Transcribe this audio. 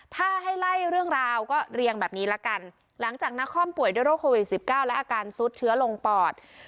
ถ้าให้ไล่เรื่องราวก็เรียงแบบนี้ละกันหลังจากนาคอมป่วยด้วยโรคโควิด๑๙และอาการซุดเชื้อลงปอด